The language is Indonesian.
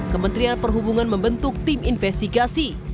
kementerian perhubungan membentuk tim investigasi